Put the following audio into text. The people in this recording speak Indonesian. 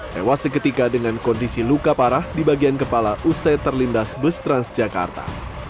tewas seketika dengan kondisi luka parah di bagian kepala usai terlindas bus transjakarta